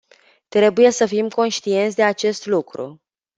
Trebuie să fim conștienți de acest lucru.